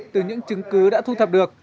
từ những chứng cứ đã thu thập được